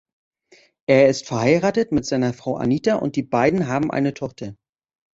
Er ist verheiratet mit seiner Frau Anita und die beiden haben eine Tochter.